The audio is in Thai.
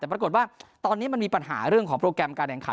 แต่ปรากฏว่าตอนนี้มันมีปัญหาเรื่องของโปรแกรมการแข่งขัน